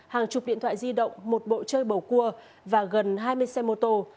hàng chục điện thoại di động một bộ chơi bầu cua và gần hai mươi xe mô tô